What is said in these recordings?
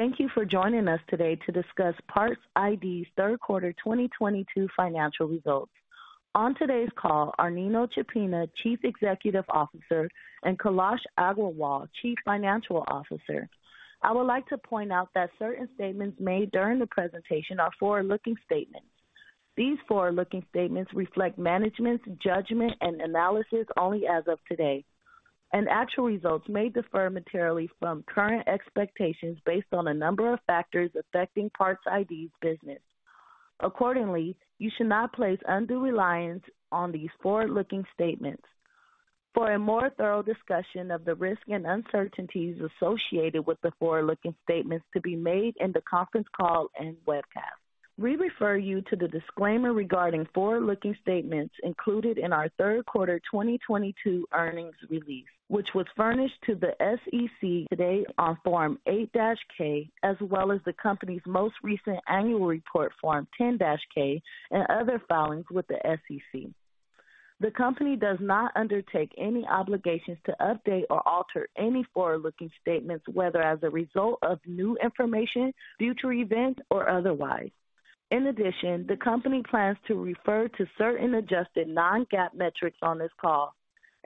Thank you for joining us today to discuss PARTS iD's third quarter 2022 financial results. On today's call are Antonino Ciappina, Chief Executive Officer, and Kailas Agrawal, Chief Financial Officer. I would like to point out that certain statements made during the presentation are forward-looking statements. These forward-looking statements reflect management's judgment and analysis only as of today, and actual results may differ materially from current expectations based on a number of factors affecting PARTS iD's business. Accordingly, you should not place undue reliance on these forward-looking statements. For a more thorough discussion of the risks and uncertainties associated with the forward-looking statements to be made in the conference call and webcast, we refer you to the disclaimer regarding forward-looking statements included in our third quarter 2022 earnings release, which was furnished to the SEC today on Form 8-K, as well as the company's most recent annual report, Form 10-K, and other filings with the SEC. The company does not undertake any obligations to update or alter any forward-looking statements, whether as a result of new information, future events, or otherwise. In addition, the company plans to refer to certain adjusted non-GAAP metrics on this call.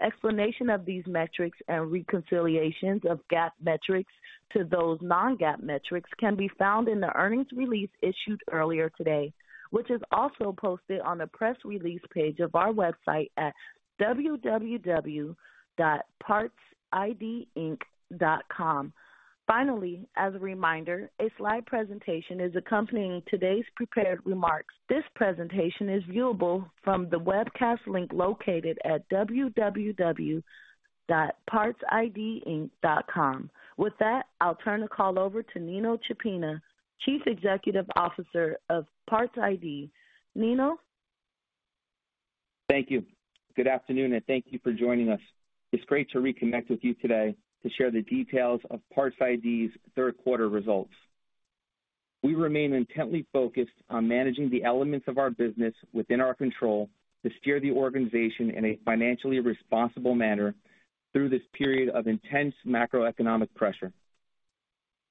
Explanation of these metrics and reconciliations of GAAP metrics to those non-GAAP metrics can be found in the earnings release issued earlier today, which is also posted on the press release page of our website at www.partsidinc.com. Finally, as a reminder, a slide presentation is accompanying today's prepared remarks. This presentation is viewable from the webcast link located at www.partsidinc.com. With that, I'll turn the call over to Nino Ciappina, Chief Executive Officer of PARTS iD. Nino. Thank you. Good afternoon, and thank you for joining us. It's great to reconnect with you today to share the details of PARTS iD's third quarter results. We remain intently focused on managing the elements of our business within our control to steer the organization in a financially responsible manner through this period of intense macroeconomic pressure.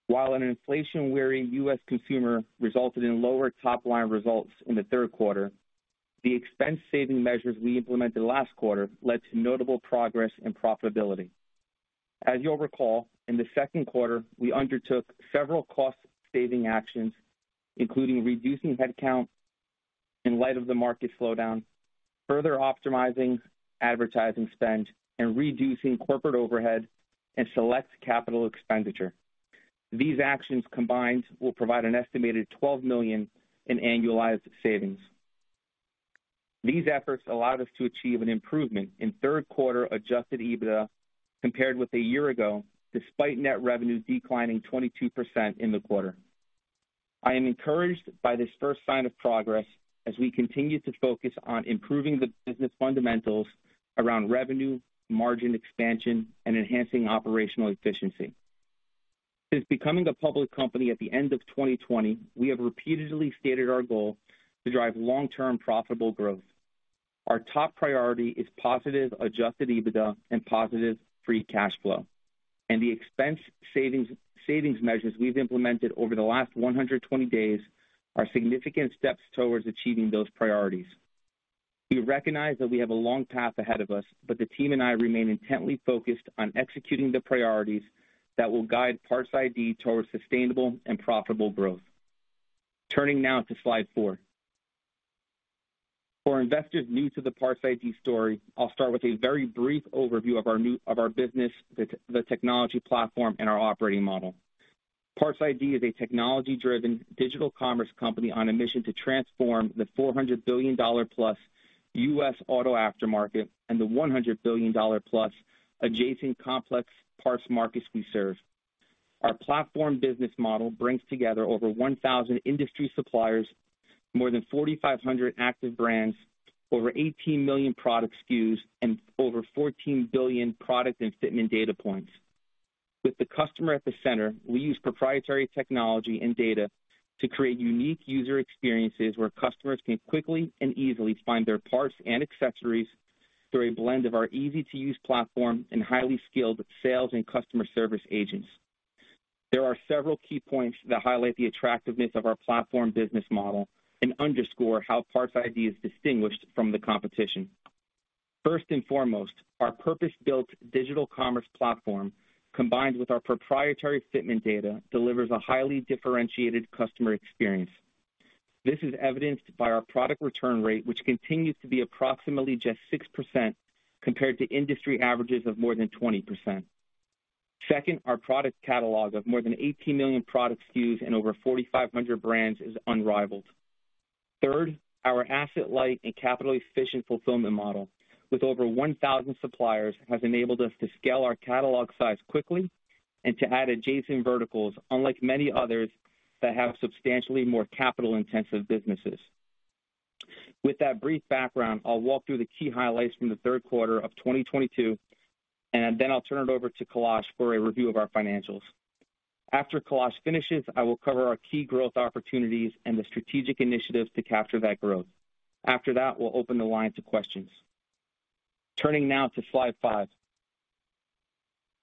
While an inflation-wary U.S. consumer resulted in lower top-line results in the third quarter, the expense saving measures we implemented last quarter led to notable progress and profitability. As you'll recall, in the second quarter, we undertook several cost saving actions, including reducing headcount in light of the market slowdown, further optimizing advertising spend, and reducing corporate overhead and select capital expenditure. These actions combined will provide an estimated $12 million in annualized savings. These efforts allowed us to achieve an improvement in third quarter Adjusted EBITDA compared with a year ago, despite net revenues declining 22% in the quarter. I am encouraged by this first sign of progress as we continue to focus on improving the business fundamentals around revenue, margin expansion, and enhancing operational efficiency. Since becoming a public company at the end of 2020, we have repeatedly stated our goal to drive long-term profitable growth. Our top priority is positive Adjusted EBITDA and positive free cash flow, and the expense savings measures we've implemented over the last 120 days are significant steps towards achieving those priorities. We recognize that we have a long path ahead of us, but the team and I remain intently focused on executing the priorities that will guide PARTS iD towards sustainable and profitable growth. Turning now to slide four. For investors new to the PARTS iD story, I'll start with a very brief overview of our business, the technology platform, and our operating model. PARTS iD is a technology-driven digital commerce company on a mission to transform the $400 billion-plus U.S. auto aftermarket and the $100 billion-plus adjacent complex parts markets we serve. Our platform business model brings together over 1,000 industry suppliers, more than 4,500 active brands, over 18 million product SKUs, and over 14 billion product and fitment data points. With the customer at the center, we use proprietary technology and data to create unique user experiences where customers can quickly and easily find their parts and accessories through a blend of our easy-to-use platform and highly skilled sales and customer service agents. There are several key points that highlight the attractiveness of our platform business model and underscore how PARTS iD is distinguished from the competition. First and foremost, our purpose-built digital commerce platform, combined with our proprietary fitment data, delivers a highly differentiated customer experience. This is evidenced by our product return rate, which continues to be approximately just 6% compared to industry averages of more than 20%. Second, our product catalog of more than 18 million product SKUs and over 4,500 brands is unrivaled. Third, our asset light and capital efficient fulfillment model with over 1,000 suppliers has enabled us to scale our catalog size quickly and to add adjacent verticals, unlike many others that have substantially more capital-intensive businesses. With that brief background, I'll walk through the key highlights from the third quarter of 2022, and then I'll turn it over to Kailas for a review of our financials. After Kailas finishes, I will cover our key growth opportunities and the strategic initiatives to capture that growth. After that, we'll open the line to questions. Turning now to slide 5.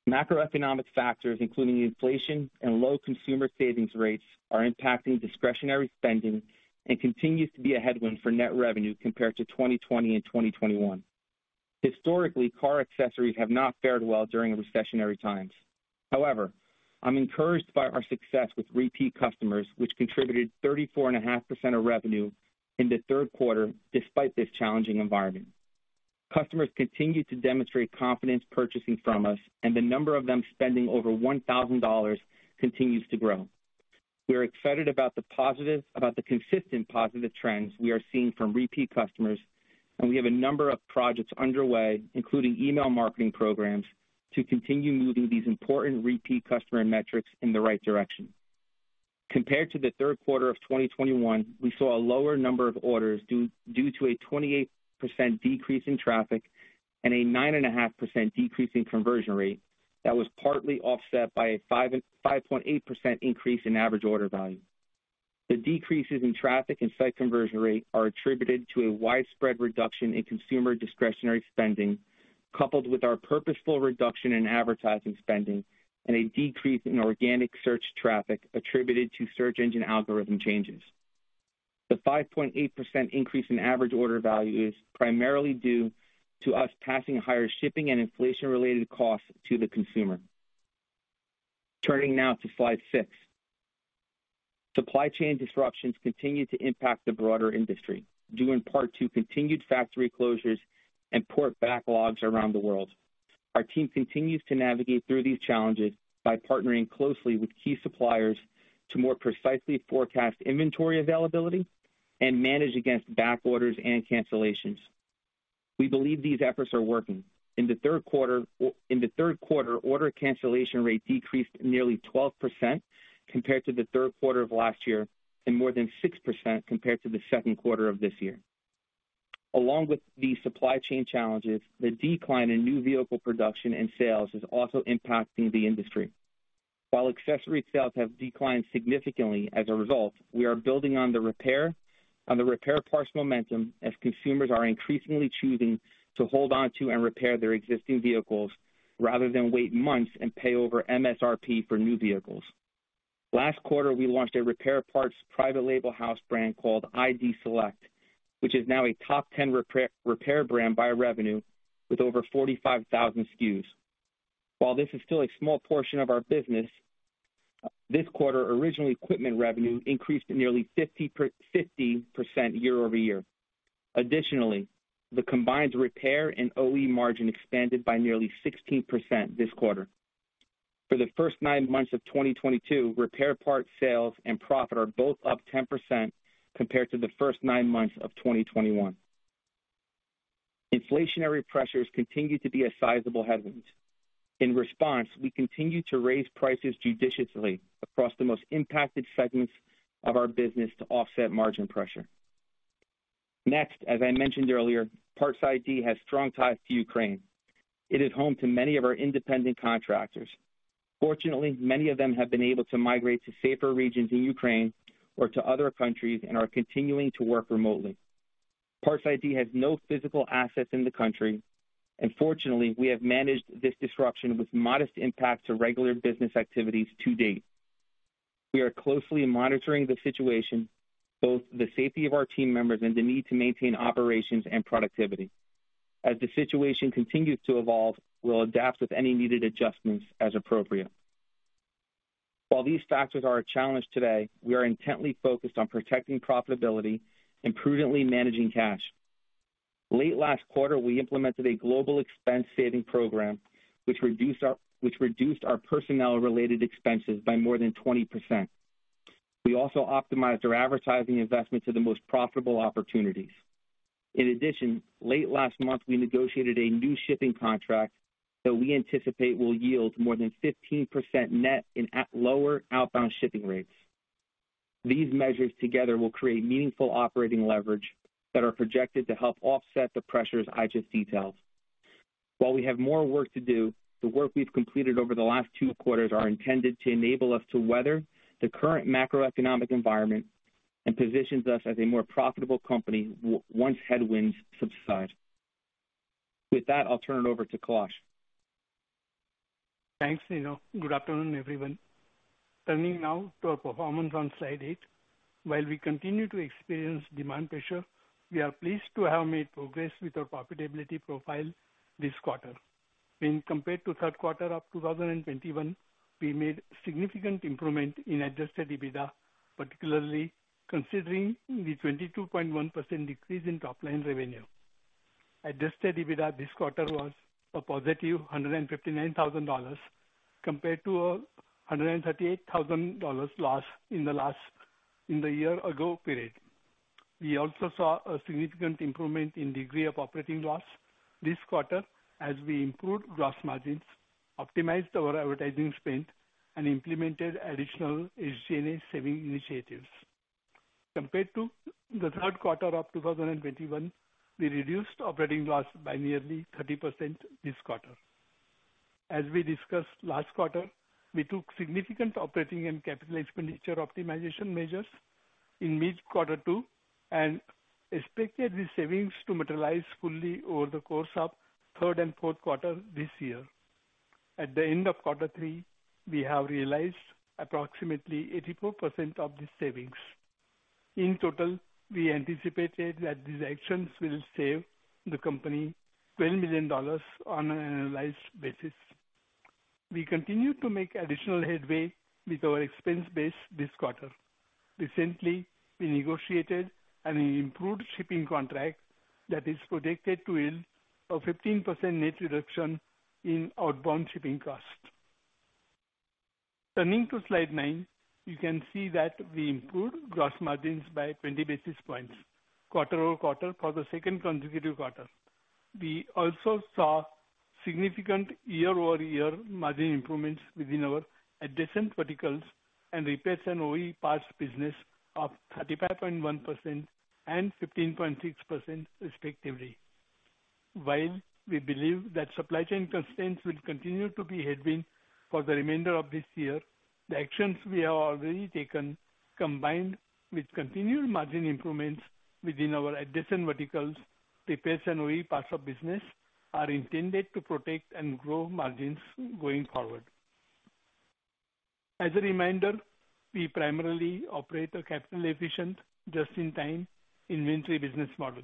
Macroeconomic factors, including inflation and low consumer savings rates, are impacting discretionary spending and continues to be a headwind for net revenue compared to 2020 and 2021. Historically, car accessories have not fared well during recessionary times. However, I'm encouraged by our success with repeat customers, which contributed 34.5% of revenue in the third quarter despite this challenging environment. Customers continue to demonstrate confidence purchasing from us, and the number of them spending over $1,000 continues to grow. We are excited about the consistent positive trends we are seeing from repeat customers, and we have a number of projects underway, including email marketing programs, to continue moving these important repeat customer metrics in the right direction. Compared to the third quarter of 2021, we saw a lower number of orders due to a 28% decrease in traffic and a 9.5% decrease in conversion rate that was partly offset by a 5.8% increase in average order value. The decreases in traffic and site conversion rate are attributed to a widespread reduction in consumer discretionary spending, coupled with our purposeful reduction in advertising spending and a decrease in organic search traffic attributed to search engine algorithm changes. The 5.8% increase in average order value is primarily due to us passing higher shipping and inflation-related costs to the consumer. Turning now to slide 6. Supply chain disruptions continue to impact the broader industry, due in part to continued factory closures and port backlogs around the world. Our team continues to navigate through these challenges by partnering closely with key suppliers to more precisely forecast inventory availability and manage against back orders and cancellations. We believe these efforts are working. In the third quarter, order cancellation rate decreased nearly 12% compared to the third quarter of last year and more than 6% compared to the second quarter of this year. Along with the supply chain challenges, the decline in new vehicle production and sales is also impacting the industry. While accessory sales have declined significantly as a result, we are building on the repair parts momentum as consumers are increasingly choosing to hold on to and repair their existing vehicles rather than wait months and pay over MSRP for new vehicles. Last quarter, we launched a repair parts private label house brand called iD Select, which is now a top ten repair brand by revenue with over 45,000 SKUs. While this is still a small portion of our business, this quarter original equipment revenue increased nearly 50% year-over-year. Additionally, the combined repair and OE margin expanded by nearly 16% this quarter. For the first nine months of 2022, repair parts sales and profit are both up 10% compared to the first nine months of 2021. Inflationary pressures continue to be a sizable headwind. In response, we continue to raise prices judiciously across the most impacted segments of our business to offset margin pressure. Next, as I mentioned earlier, PARTS iD has strong ties to Ukraine. It is home to many of our independent contractors. Fortunately, many of them have been able to migrate to safer regions in Ukraine or to other countries and are continuing to work remotely. PARTS iD has no physical assets in the country. Fortunately, we have managed this disruption with modest impact to regular business activities to date. We are closely monitoring the situation, both the safety of our team members and the need to maintain operations and productivity. As the situation continues to evolve, we'll adapt with any needed adjustments as appropriate. While these factors are a challenge today, we are intently focused on protecting profitability and prudently managing cash. Late last quarter, we implemented a global expense saving program which reduced our personnel related expenses by more than 20%. We also optimized our advertising investment to the most profitable opportunities. In addition, late last month, we negotiated a new shipping contract that we anticipate will yield more than 15% net savings at lower outbound shipping rates. These measures together will create meaningful operating leverage that are projected to help offset the pressures I just detailed. While we have more work to do, the work we've completed over the last two quarters are intended to enable us to weather the current macroeconomic environment and positions us as a more profitable company once headwinds subside. With that, I'll turn it over to Kailas. Thanks, Nino. Good afternoon, everyone. Turning now to our performance on slide 8. While we continue to experience demand pressure, we are pleased to have made progress with our profitability profile this quarter. When compared to third quarter of 2021, we made significant improvement in Adjusted EBITDA, particularly considering the 22.1% decrease in top line revenue. Adjusted EBITDA this quarter was a positive $159,000 compared to a $138,000 loss in the year ago period. We also saw a significant improvement in degree of operating loss this quarter as we improved gross margins, optimized our advertising spend, and implemented additional SG&A saving initiatives. Compared to the third quarter of 2021, we reduced operating loss by nearly 30% this quarter. We discussed last quarter, we took significant operating and capital expenditure optimization measures in mid quarter two and expected the savings to materialize fully over the course of third and fourth quarter this year. At the end of quarter three, we have realized approximately 84% of the savings. In total, we anticipated that these actions will save the company $12 million on an annualized basis. We continue to make additional headway with our expense base this quarter. Recently, we negotiated an improved shipping contract that is projected to yield a 15% net reduction in outbound shipping costs. Turning to slide nine, you can see that we improved gross margins by 20 basis points quarter-over-quarter for the second consecutive quarter. We also saw significant year-over-year margin improvements within our adjacent verticals and repairs and OE parts business of 35.1% and 15.6% respectively. While we believe that supply chain constraints will continue to be a headwind for the remainder of this year, the actions we have already taken, combined with continued margin improvements within our adjacent verticals, repairs and OE parts business are intended to protect and grow margins going forward. As a reminder, we primarily operate a capital-efficient just-in-time inventory business model.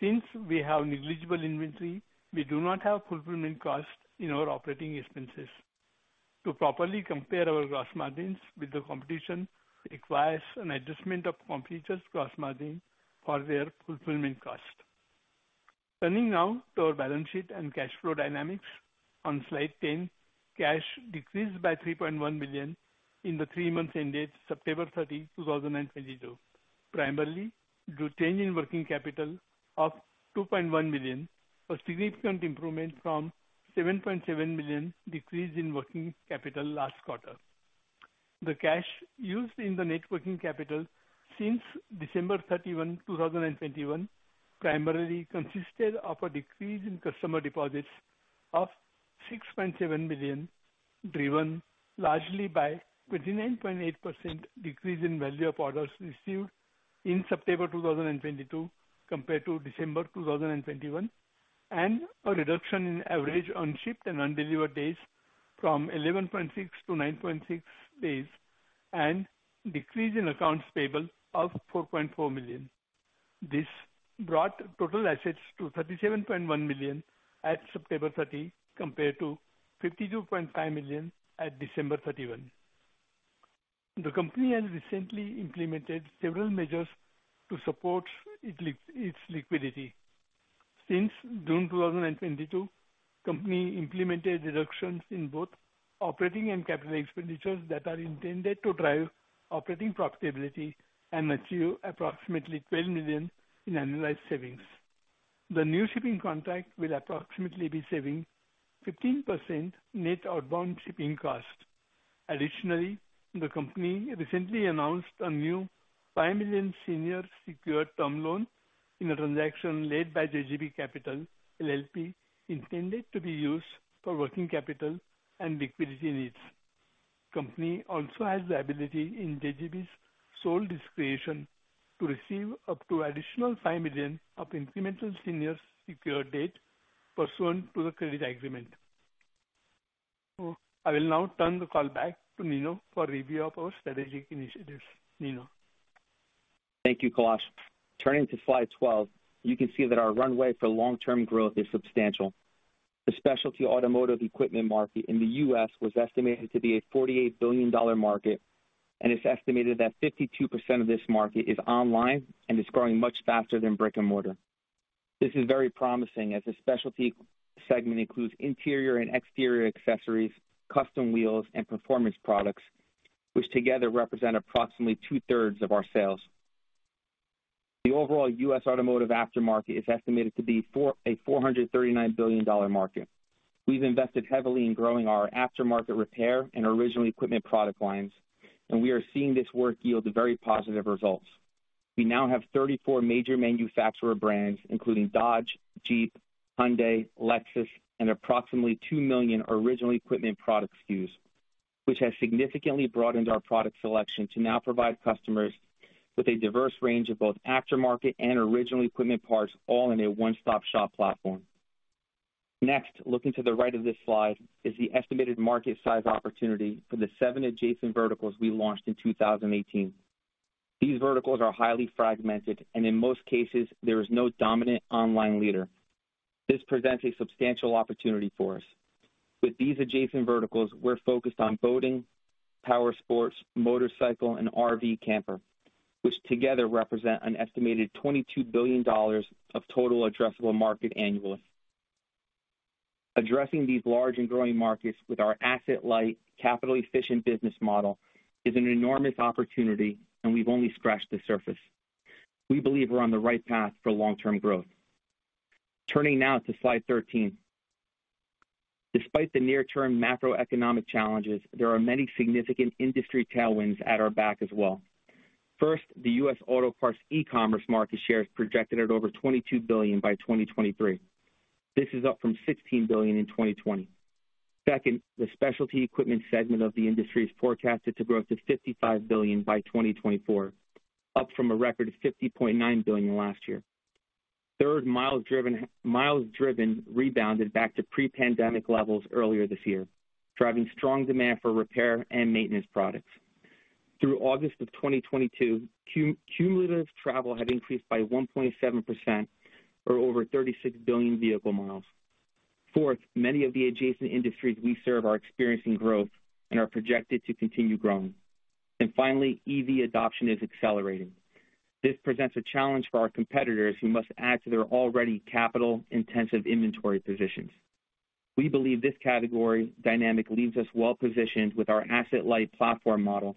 Since we have negligible inventory, we do not have fulfillment costs in our operating expenses. To properly compare our gross margins with the competition requires an adjustment of competitors' gross margin for their fulfillment cost. Turning now to our balance sheet and cash flow dynamics on slide 10. Cash decreased by $3.1 million in the three months ended September 30, 2022, primarily due to change in working capital of $2.1 million, a significant improvement from $7.7 million decrease in working capital last quarter. The cash used in the net working capital since December 31, 2021, primarily consisted of a decrease in customer deposits of $6.7 million, driven largely by 29.8% decrease in value of orders received in September 2022 compared to December 2021, and a reduction in average unshipped and undelivered days from 11.6-9.6 days and decrease in accounts payable of $4.4 million. This brought total assets to $37.1 million at September 30 compared to $52.5 million at December 31. The company has recently implemented several measures to support its liquidity. Since June 2022, company implemented reductions in both operating and capital expenditures that are intended to drive operating profitability and achieve approximately $12 million in annualized savings. The new shipping contract will approximately be saving 15% net outbound shipping costs. Additionally, the company recently announced a new $5 million senior secured term loan in a transaction led by JGB Capital, LP, intended to be used for working capital and liquidity needs. Company also has the ability in JGB's sole discretion to receive up to additional $5 million of incremental senior secured debt pursuant to the credit agreement. I will now turn the call back to Nino for a review of our strategic initiatives. Nino. Thank you, Kailas. Turning to slide 12, you can see that our runway for long term growth is substantial. The specialty automotive equipment market in the U.S. was estimated to be a $48 billion market, and it's estimated that 52% of this market is online and is growing much faster than brick and mortar. This is very promising as the specialty segment includes interior and exterior accessories, custom wheels and performance products, which together represent approximately two-thirds of our sales. The overall U.S. automotive aftermarket is estimated to be a $439 billion market. We've invested heavily in growing our aftermarket repair and original equipment product lines, and we are seeing this work yield very positive results. We now have 34 major manufacturer brands including Dodge, Jeep, Hyundai, Lexus and approximately two million original equipment product SKUs, which has significantly broadened our product selection to now provide customers with a diverse range of both aftermarket and original equipment parts all in a one-stop shop platform. Next, looking to the right of this slide is the estimated market size opportunity for the seven adjacent verticals we launched in 2018. These verticals are highly fragmented and in most cases there is no dominant online leader. This presents a substantial opportunity for us. With these adjacent verticals, we're focused on boating, power sports, motorcycle and RV camper, which together represent an estimated $22 billion of total addressable market annually. Addressing these large and growing markets with our asset light capital efficient business model is an enormous opportunity and we've only scratched the surface. We believe we're on the right path for long-term growth. Turning now to slide 13. Despite the near-term macroeconomic challenges, there are many significant industry tailwinds at our back as well. First, the U.S. auto parts e-commerce market share is projected at over $22 billion by 2023. This is up from $16 billion in 2020. Second, the specialty equipment segment of the industry is forecasted to grow to $55 billion by 2024, up from a record of $50.9 billion last year. Third, miles driven rebounded back to pre-pandemic levels earlier this year, driving strong demand for repair and maintenance products. Through August of 2022, cumulative travel had increased by 1.7% or over 36 billion vehicle miles. Fourth, many of the adjacent industries we serve are experiencing growth and are projected to continue growing. Finally, EV adoption is accelerating. This presents a challenge for our competitors who must add to their already capital intensive inventory positions. We believe this category dynamic leaves us well positioned with our asset light platform model,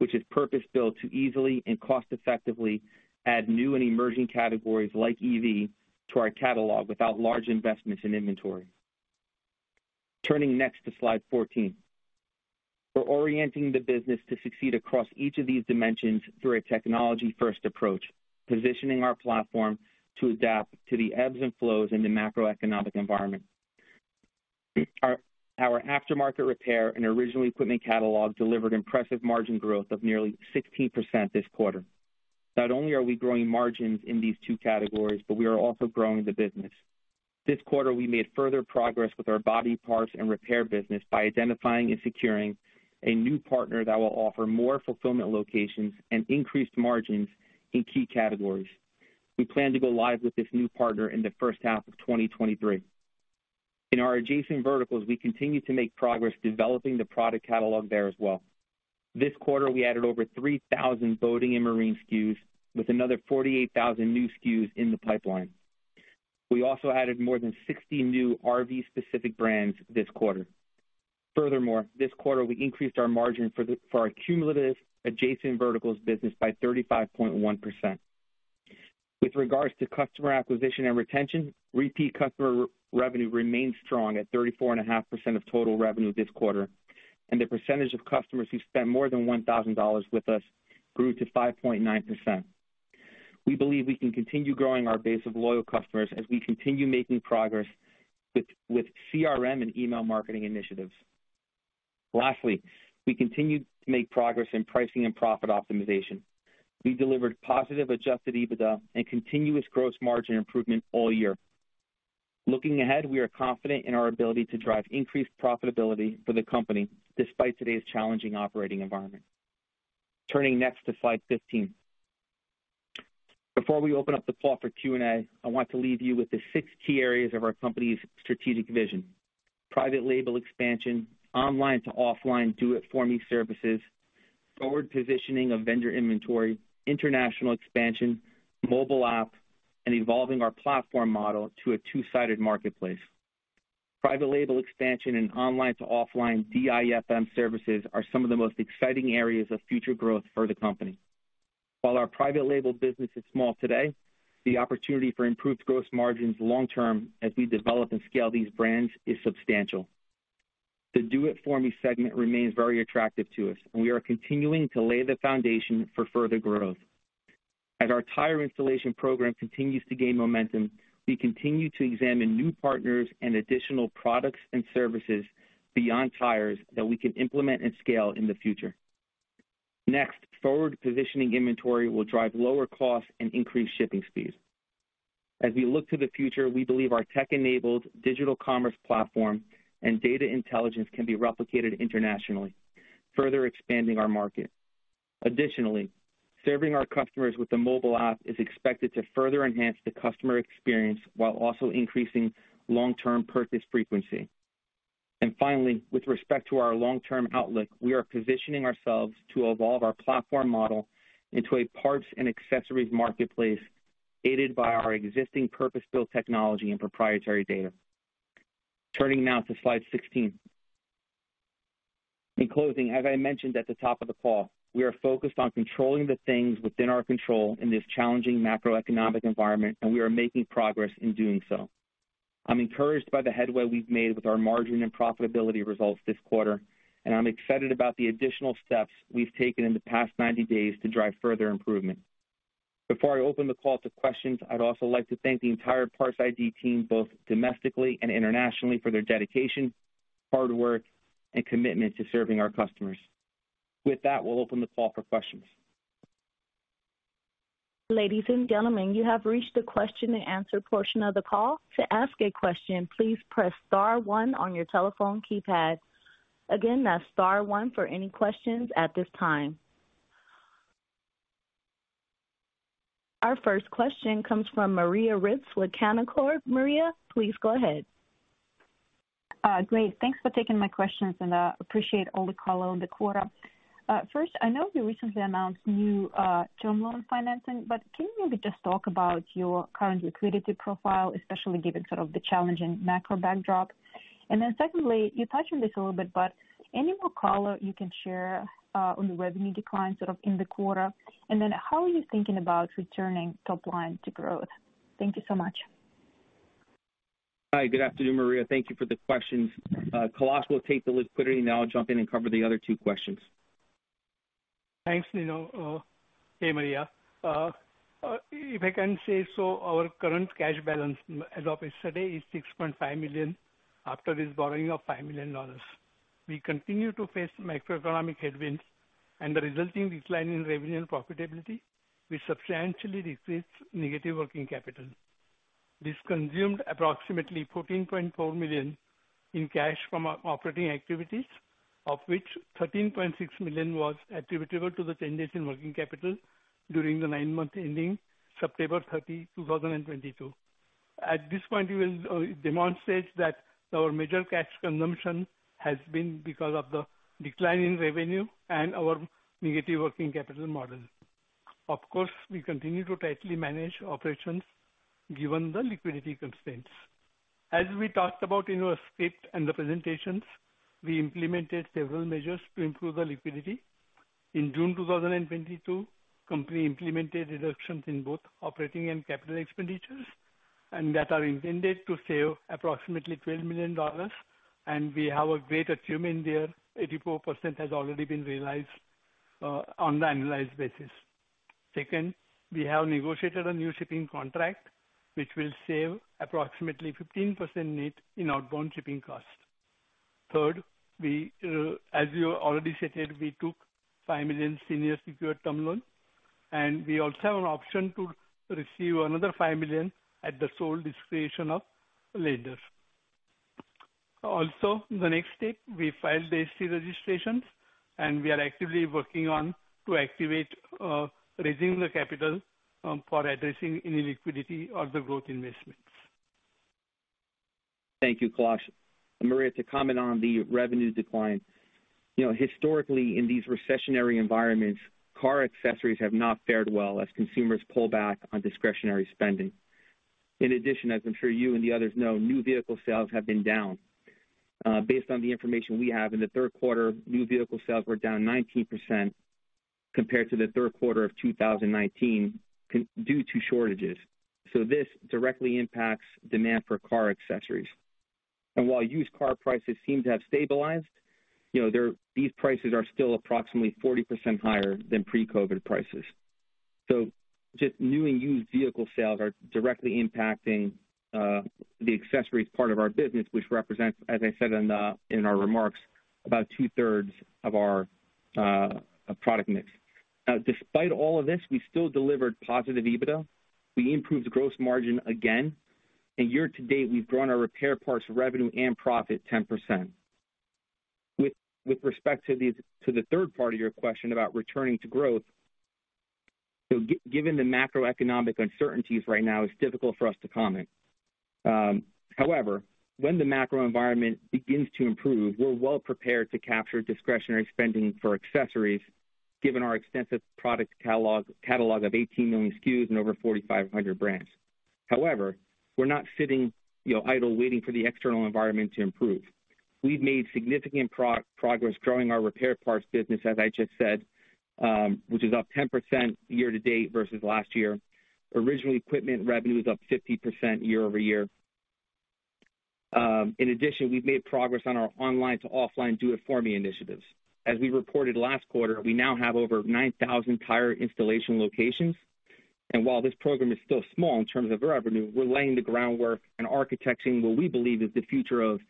which is purpose-built to easily and cost effectively add new and emerging categories like EV to our catalog without large investments in inventory. Turning next to slide 14. We're orienting the business to succeed across each of these dimensions through a technology first approach, positioning our platform to adapt to the ebbs and flows in the macroeconomic environment. Our aftermarket repair and original equipment catalog delivered impressive margin growth of nearly 16% this quarter. Not only are we growing margins in these two categories, but we are also growing the business. This quarter, we made further progress with our body parts and repair business by identifying and securing a new partner that will offer more fulfillment locations and increased margins in key categories. We plan to go live with this new partner in the first half of 2023. In our adjacent verticals, we continue to make progress developing the product catalog there as well. This quarter, we added over 3,000 boating and marine SKUs with another 48,000 new SKUs in the pipeline. We also added more than 60 new RV specific brands this quarter. Furthermore, this quarter, we increased our margin for our cumulative adjacent verticals business by 35.1%. With regards to customer acquisition and retention, repeat customer revenue remains strong at 34.5% of total revenue this quarter, and the percentage of customers who spend more than $1,000 with us grew to 5.9%. We believe we can continue growing our base of loyal customers as we continue making progress with CRM and email marketing initiatives. Lastly, we continued to make progress in pricing and profit optimization. We delivered positive adjusted EBITDA and continuous gross margin improvement all year. Looking ahead, we are confident in our ability to drive increased profitability for the company despite today's challenging operating environment. Turning next to slide 15. Before we open up the call for Q&A, I want to leave you with the six key areas of our company's strategic vision. Private label expansion, online to offline do it for me services, forward positioning of vendor inventory, international expansion, mobile app, and evolving our platform model to a two-sided marketplace. Private label expansion and online to offline DIFM services are some of the most exciting areas of future growth for the company. While our private label business is small today, the opportunity for improved gross margins long term as we develop and scale these brands is substantial. The do it for me segment remains very attractive to us, and we are continuing to lay the foundation for further growth. As our tire installation program continues to gain momentum, we continue to examine new partners and additional products and services beyond tires that we can implement and scale in the future. Next, forward positioning inventory will drive lower costs and increase shipping speeds. As we look to the future, we believe our tech-enabled digital commerce platform and data intelligence can be replicated internationally, further expanding our market. Additionally, serving our customers with the mobile app is expected to further enhance the customer experience while also increasing long-term purchase frequency. Finally, with respect to our long-term outlook, we are positioning ourselves to evolve our platform model into a parts and accessories marketplace, aided by our existing purpose-built technology and proprietary data. Turning now to slide 16. In closing, as I mentioned at the top of the call, we are focused on controlling the things within our control in this challenging macroeconomic environment, and we are making progress in doing so. I'm encouraged by the headway we've made with our margin and profitability results this quarter, and I'm excited about the additional steps we've taken in the past 90 days to drive further improvement. Before I open the call to questions, I'd also like to thank the entire PARTS iD team, both domestically and internationally, for their dedication, hard work, and commitment to serving our customers. With that, we'll open the call for questions. Ladies and gentlemen, you have reached the question and answer portion of the call. To ask a question, please press star one on your telephone keypad. Again, that's star one for any questions at this time. Our first question comes from Maria Ripps with Canaccord. Maria, please go ahead. Great. Thanks for taking my questions, and appreciate all the color on the quarter. First, I know you recently announced new term loan financing, but can you maybe just talk about your current liquidity profile, especially given sort of the challenging macro backdrop? Then secondly, you touched on this a little bit, but any more color you can share on the revenue decline sort of in the quarter? Then how are you thinking about returning top line to growth? Thank you so much. Hi. Good afternoon, Maria. Thank you for the questions. Kailas will take the liquidity, and then I'll jump in and cover the other two questions. Thanks, Nino. Hey, Maria. If I can say so, our current cash balance as of yesterday is $6.5 million after this borrowing of $5 million. We continue to face macroeconomic headwinds and the resulting decline in revenue profitability, which substantially decreased negative working capital. This consumed approximately $14.4 million in cash from operating activities, of which $13.6 million was attributable to the changes in working capital during the nine months ending September 30, 2022. At this point, we will demonstrate that our major cash consumption has been because of the decline in revenue and our negative working capital model. Of course, we continue to tightly manage operations given the liquidity constraints. As we talked about in our script and the presentations, we implemented several measures to improve the liquidity. In June 2022, company implemented reductions in both operating and capital expenditures, and that are intended to save approximately $12 million. We have a great achievement there. 84% has already been realized on the annualized basis. Second, we have negotiated a new shipping contract which will save approximately 15% net in outbound shipping costs. Third, we, as we already stated, we took $5 million senior secured term loan, and we also have an option to receive another $5 million at the sole discretion of lenders. Also, in the next step, we filed the ATM registration, and we are actively working on to activate raising the capital for addressing any liquidity or the growth investments. Thank you, Kailash. Maria, to comment on the revenue decline. You know, historically, in these recessionary environments, car accessories have not fared well as consumers pull back on discretionary spending. In addition, as I'm sure you and the others know, new vehicle sales have been down. Based on the information we have in the third quarter, new vehicle sales were down 19% compared to the third quarter of 2019 due to shortages. This directly impacts demand for car accessories. While used car prices seem to have stabilized, you know, these prices are still approximately 40% higher than pre-COVID prices. Just new and used vehicle sales are directly impacting the accessories part of our business, which represents, as I said in our remarks, about two-thirds of our product mix. Despite all of this, we still delivered positive EBITDA. We improved gross margin again, and year to date, we've grown our repair parts revenue and profit 10%. With respect to these, to the third part of your question about returning to growth. Given the macroeconomic uncertainties right now, it's difficult for us to comment. However, when the macro environment begins to improve, we're well prepared to capture discretionary spending for accessories given our extensive product catalog of 18 million SKUs and over 4,500 brands. However, we're not sitting, you know, idle waiting for the external environment to improve. We've made significant progress growing our repair parts business, as I just said, which is up 10% year to date versus last year. Original equipment revenue is up 50% year-over-year. In addition, we've made progress on our online to offline Do It For Me initiatives. As we reported last quarter, we now have over 9,000 tire installation locations, and while this program is still small in terms of revenue, we're laying the groundwork and architecting what we believe is the future of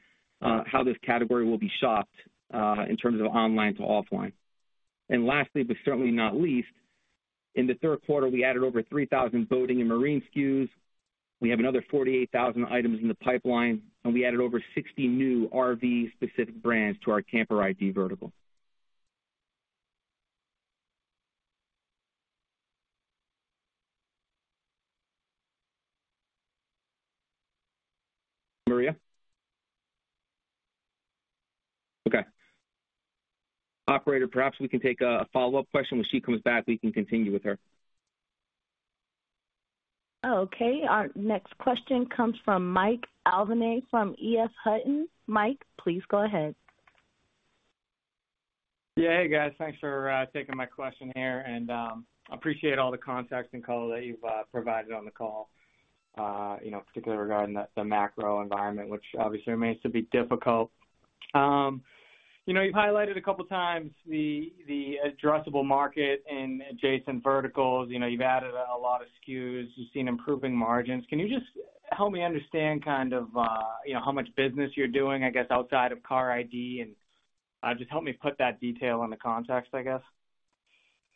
how this category will be shopped in terms of online to offline. Lastly, but certainly not least, in the third quarter, we added over 3,000 boating and marine SKUs. We have another 48,000 items in the pipeline, and we added over 60 new RV specific brands to our CAMPERiD vertical. Maria? Okay. Operator, perhaps we can take a follow-up question. When she comes back, we can continue with her. Okay. Our next question comes from Mike Albanese from EF Hutton. Mike, please go ahead. Yeah. Hey, guys. Thanks for taking my question here and appreciate all the context and color that you've provided on the call, you know, particularly regarding the macro environment, which obviously remains to be difficult. You know, you've highlighted a couple times the addressable market in adjacent verticals. You know, you've added a lot of SKUs. You've seen improvement in margins. Can you just help me understand kind of, you know, how much business you're doing, I guess, outside of CARiD and just help me put that detail into context, I guess.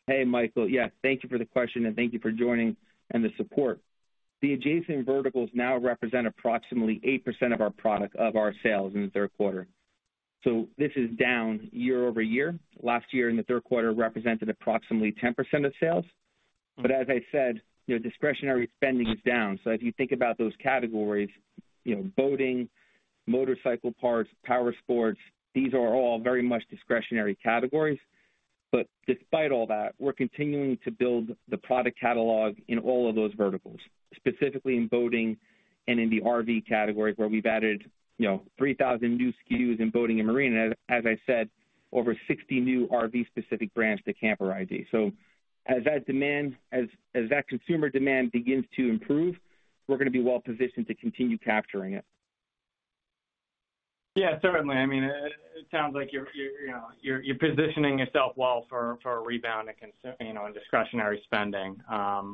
Hey, Michael. Yes, thank you for the question, and thank you for joining and the support. The adjacent verticals now represent approximately 8% of our sales in the third quarter. This is down year-over-year. Last year, in the third quarter, represented approximately 10% of sales. As I said, you know, discretionary spending is down. If you think about those categories, you know, boating, motorcycle parts, power sports, these are all very much discretionary categories. Despite all that, we're continuing to build the product catalog in all of those verticals, specifically in boating and in the RV category, where we've added, you know, 3,000 new SKUs in boating and marine. As I said, over 60 new RV specific brands to CAMPERiD. As that consumer demand begins to improve, we're gonna be well positioned to continue capturing it. Yeah, certainly. I mean, it sounds like you're, you know, positioning yourself well for a rebound in you know, in discretionary spending,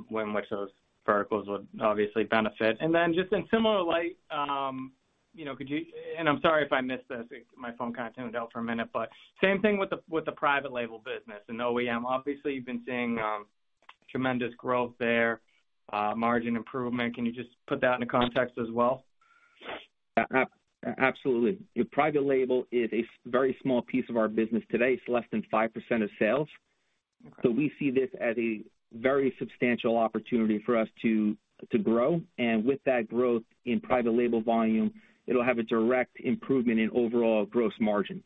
when which those verticals would obviously benefit. Then just in similar light, you know, could you. I'm sorry if I missed this. My phone kind of tuned out for a minute. Same thing with the private label business and OEM. Obviously, you've been seeing tremendous growth there, margin improvement. Can you just put that into context as well? Absolutely. Private label is a very small piece of our business today. It's less than 5% of sales. Okay. We see this as a very substantial opportunity for us to grow. With that growth in private label volume, it'll have a direct improvement in overall gross margin.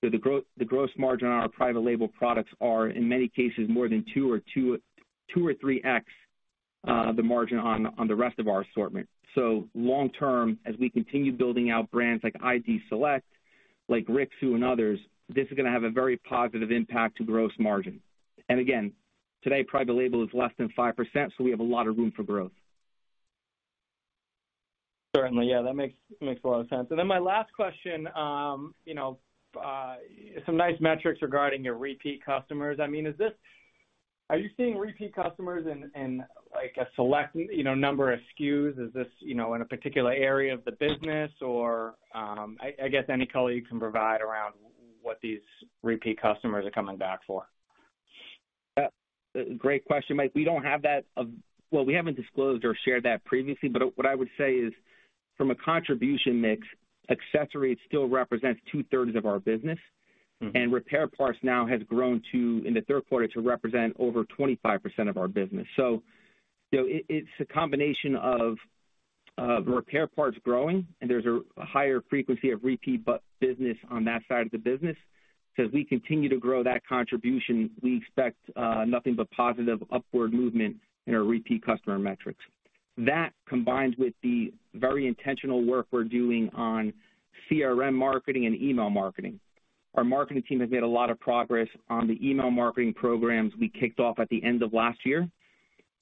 The gross margin on our private label products are, in many cases, more than 2 or 3x the margin on the rest of our assortment. Long term, as we continue building out brands like iD Select, like Rixxu and others, this is gonna have a very positive impact to gross margin. Again, today, private label is less than 5%, so we have a lot of room for growth. Certainly. Yeah, that makes a lot of sense. My last question, you know, some nice metrics regarding your repeat customers. I mean, Are you seeing repeat customers in like a select, you know, number of SKUs? Is this, you know, in a particular area of the business or. I guess any color you can provide around what these repeat customers are coming back for. Great question, Mike. We don't have that. Well, we haven't disclosed or shared that previously, but what I would say is, from a contribution mix, accessories still represents 2/3 of our business. Repair parts now has grown to, in the third quarter, to represent over 25% of our business. You know, it's a combination of the repair parts growing, and there's a higher frequency of repeat business on that side of the business. As we continue to grow that contribution, we expect nothing but positive upward movement in our repeat customer metrics. That combines with the very intentional work we're doing on CRM marketing and email marketing. Our marketing team has made a lot of progress on the email marketing programs we kicked off at the end of last year.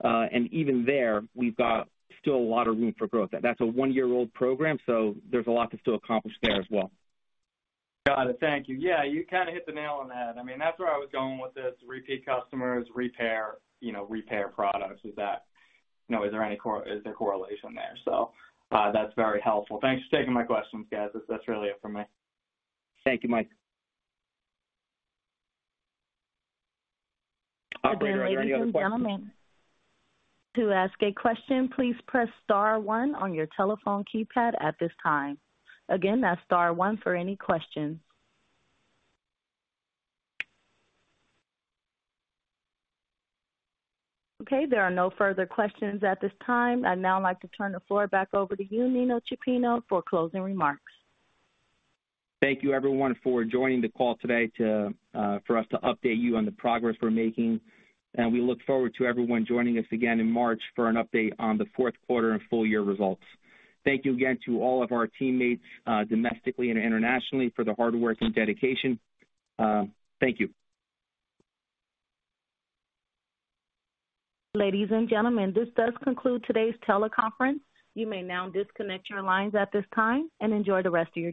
And even there, we've got still a lot of room for growth. That's a one-year-old program, so there's a lot to still accomplish there as well. Got it. Thank you. Yeah, you kinda hit the nail on the head. I mean, that's where I was going with this. Repeat customers, repair, you know, repair products with that. You know, is there any correlation there? That's very helpful. Thanks for taking my questions, guys. That's really it for me. Thank you, Mike. Ladies and gentlemen, to ask a question, please press star one on your telephone keypad at this time. Again, that's star one for any questions. Okay, there are no further questions at this time. I'd now like to turn the floor back over to you, Antonino Ciappina, for closing remarks. Thank you everyone for joining the call today for us to update you on the progress we're making. We look forward to everyone joining us again in March for an update on the fourth quarter and full year results. Thank you again to all of our teammates, domestically and internationally for their hard work and dedication. Thank you. Ladies and gentlemen, this does conclude today's teleconference. You may now disconnect your lines at this time and enjoy the rest of your day.